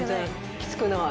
きつくない。